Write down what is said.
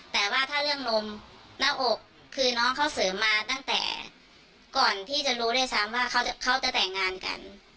แต่ว่าถ้าเรื่องลมหน้าอกคือน้องเขาเสริมมาตั้งแต่ก่อนที่จะรู้ด้วยซ้ำว่าเขาจะแต่งงานกัน